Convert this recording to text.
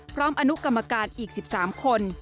พร้อมอนุกรรมการอีก๑๓คน